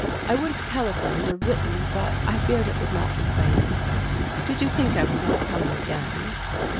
I would have telephoned or written but I feared it would not be safe. Did you think I was not coming again?"